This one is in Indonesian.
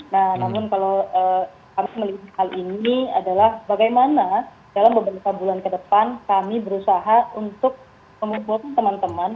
nah namun kalau kami melihat hal ini adalah bagaimana dalam beberapa bulan ke depan kami berusaha untuk mengumpulkan teman teman